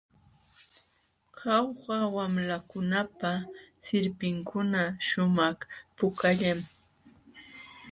Jauja wamlakunapa sirpinkuna shumaq pukallam.